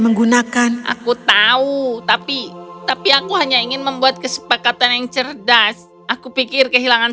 menggunakan aku tahu tapi tapi aku hanya ingin membuat kesepakatan yang cerdas aku pikir kehilangan